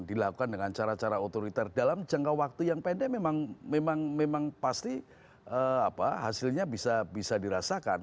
dilakukan dengan cara cara otoriter dalam jangka waktu yang pendek memang pasti hasilnya bisa dirasakan